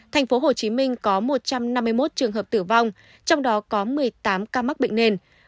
tp hcm có một trăm năm mươi một trường hợp tử vong trong đó có một mươi tám ca mắc bệnh nền